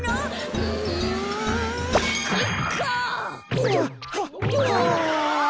うわ。